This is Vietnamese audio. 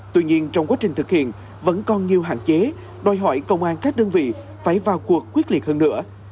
tuy nhiên trong quá trình thực hiện vẫn còn nhiều hạn chế đòi hỏi công an các đơn vị phải vào cuộc quyết liệt hơn nữa